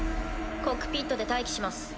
コクピットで待機します。